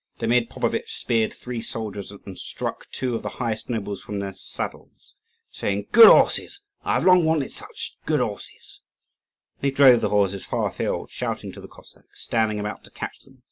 Demid Popovitch speared three soldiers, and struck two of the highest nobles from their saddles, saying, "Good horses! I have long wanted just such horses." And he drove the horses far afield, shouting to the Cossacks standing about to catch them.